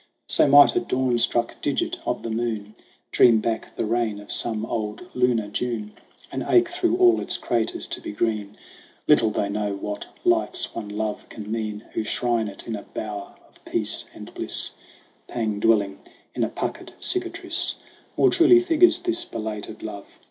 So might a dawn struck digit of the moon Dream back the rain of some old lunar June And ache through all its craters to be green. Little they know what life's one love can mean, Who shrine it in a bower of peace and bliss : Pang dwelling in a puckered cicatrice More truly figures this belated love.